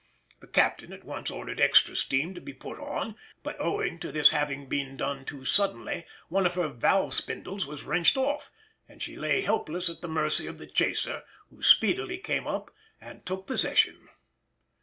The captain at once ordered extra steam to be put on, but owing to this having been done too suddenly, one of her valve spindles was wrenched off, and she lay helpless at the mercy of the chaser, who speedily came up and took possession.